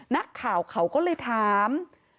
นักข่าวเขาก็เลยถาม